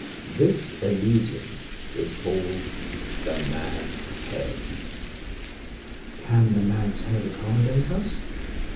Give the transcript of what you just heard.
This Elysium is called the Nag's Head. Can the Nag's Head accommodate us?